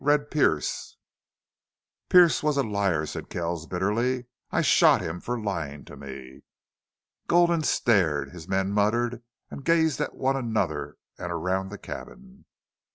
"Red Pearce." "Pearce was a liar," said Kells, bitterly. "I shot him for lying to me." Gulden stared. His men muttered and gazed at one another and around the cabin.